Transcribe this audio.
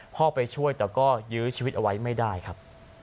พ่อไปช่วยแต่ก็ยื้อชีวิตเอาไว้ไม่ได้ครับ